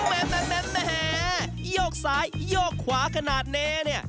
แม่โยกซ้ายโยกขวาขนาดนี้เนี่ย